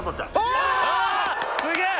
すげえ。